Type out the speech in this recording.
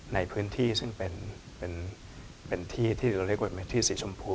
ในพื้นที่ซึ่งเป็นที่ที่เราเรียกว่าเป็นที่สีชมพู